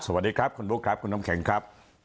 สวัสดีครับคุณบุ๊คครับคุณน้ำแข็งครับ